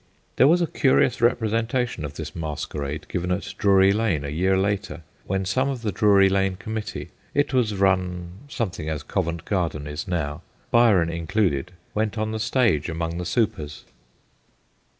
There was a curious representation of this masquerade given at Drury Lane a year later, when some of the Drury Lane Com mittee it was run something as Covent Garden is now Byron included, went on the stage among the supers.